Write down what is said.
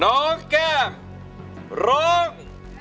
น้องแก่ม